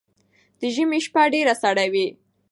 ده ژمی شپه ډیره سړه وی